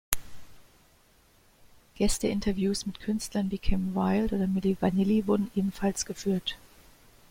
Gäste-Interviews mit Künstlern wie Kim Wilde oder Milli Vanilli wurden ebenfalls geführt.